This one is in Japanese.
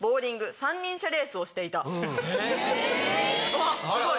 あっすごい！